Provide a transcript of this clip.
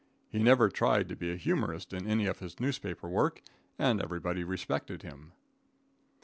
He never tried to be a humorist in any of his newspaper work, and everybody respected him.